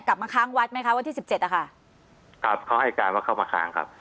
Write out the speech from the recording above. ค้างวัดไหมคะวันที่สิบเจ็ดอะค่ะครับเขาให้การว่าเข้ามาค้างครับ